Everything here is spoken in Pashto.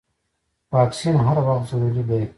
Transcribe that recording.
واکسین هر وخت ضروري دی.